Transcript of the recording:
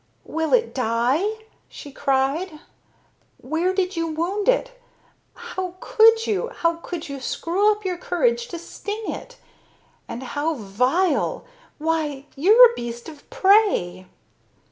"Will it die?" she cried. "Where did you wound it? How could you? How could you screw up your courage to sting it? And how vile! Why, you're a beast of prey!"